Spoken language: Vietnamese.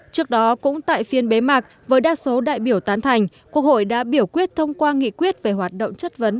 trước đó cũng tại phiên bế mạc với đa số đại biểu tán thành quốc hội đã biểu quyết thông qua nghị quyết về hoạt động chất vấn